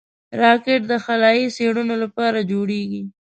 راکټ د خلایي څېړنو لپاره جوړېږي